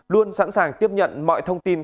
luôn sẵn sàng tiếp nhận mọi thông tin